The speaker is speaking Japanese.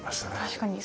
確かに。